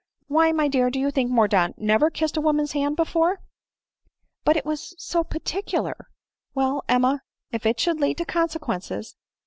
Why, my dear, do you think Mordaunt never kissed a woman's hand before ?"" But it was so particular. Well, Emma, if it should lead to consequences